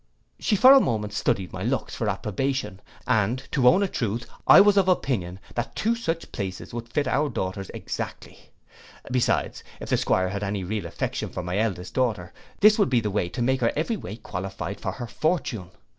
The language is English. She for a moment studied my looks for approbation; and, to own a truth, I was of opinion, that two such places would fit our two daughters exactly. Besides, if the 'Squire had any real affection for my eldest daughter, this would be the way to make her every way qualified for her fortune.